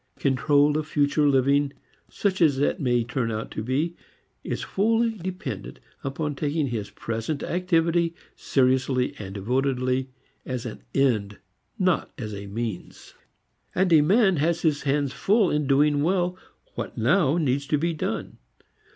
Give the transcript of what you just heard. Control of future living, such as it may turn out to be, is wholly dependent upon taking his present activity, seriously and devotedly, as an end, not a means. And a man has his hands full in doing well what now needs to be done.